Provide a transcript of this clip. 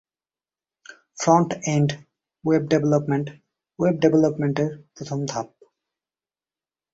Front end web development web ডেভেলপমেন্টের প্রথম ধাপ।